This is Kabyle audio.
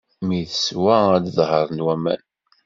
Mi teswa, ad d-ḍehṛen waman.